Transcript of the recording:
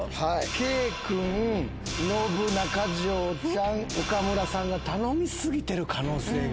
圭君、ノブ、中条ちゃん、岡村さんが頼みすぎてる可能性が。